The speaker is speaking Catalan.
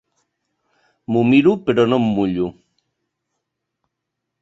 M'ho miro però no em mullo.